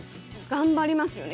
頑張りますよね